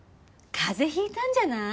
風邪引いたんじゃない？